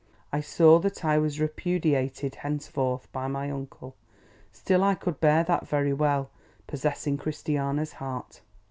I saw that I was repudiated henceforth by my uncle; still I could bear that very well, possessing Christiana's heart.